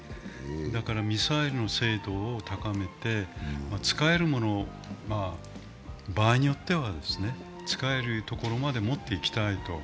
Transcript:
だからミサイルの精度を高めて、使えるもの、場合によっては使えるところまでもっていきたいと。